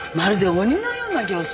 鬼のような形相？